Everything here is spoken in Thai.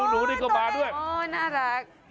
น่ารัก